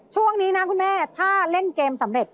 ช่วงนี้นะคุณแม่ถ้าเล่นเกมสำเร็จ